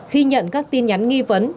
khi nhận các tin nhắn nghi vấn